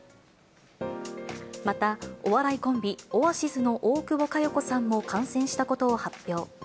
またお笑いコンビ、オアシズの大久保佳代子さんも感染したことを発表。